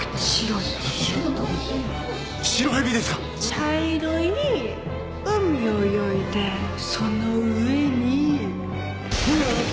茶色い海を泳いでその上にはっ！